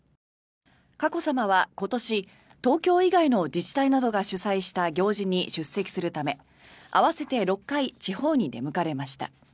佳子さまは今年東京以外の自治体などが主催した行事に出席するため合わせて６回地方に出向かれました。